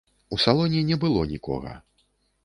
У салоне не было нікога.